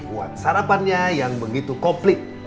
buat sarapannya yang begitu komplit